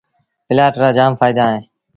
پلآٽ رآ جآم ڦآئيدآ اهيݩ۔